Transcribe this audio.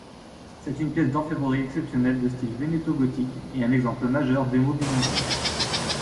C'est une pièce d’orfèvrerie exceptionnelle de style vénéto-gothique et un exemple majeur d'émaux byzantins.